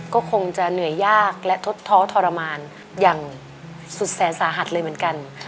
ก็คงจะเหนื่อยยากและทดท้อทรมานอย่างสุดแสนสาหัสเลยเหมือนกัน